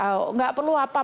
jadi enggak perlu takut pak